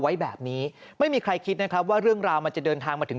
ไว้แบบนี้ไม่มีใครคิดนะครับว่าเรื่องราวมันจะเดินทางมาถึง